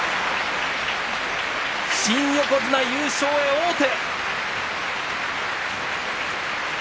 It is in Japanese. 新横綱、優勝へ王手。